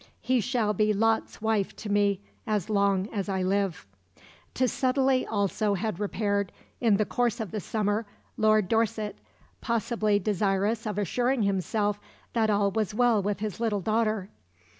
He shall be Lot's wife to me as long as I live." To Sudeley also had repaired, in the course of the summer, Lord Dorset, possibly desirous of assuring himself that all was well with his little daughter.